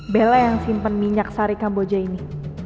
bella yang simpen minyak sari kamboja ini